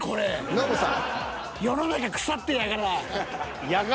ノブさん。